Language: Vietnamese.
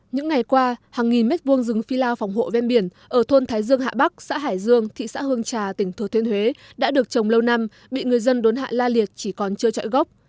những ngày qua hàng nghìn mét vuông rừng phi lao phòng hộ ven biển ở thôn thái dương hạ bắc xã hải dương thị xã hương trà tỉnh thừa thiên huế đã được trồng lâu năm bị người dân đốn hạ la liệt chỉ còn chưa trọi gốc